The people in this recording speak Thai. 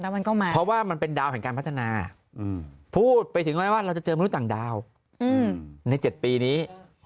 มันก็มาเพราะว่ามันเป็นดาวแห่งการพัฒนาพูดไปถึงไว้ว่าเราจะเจอมนุษย์ต่างดาวใน๗ปีนี้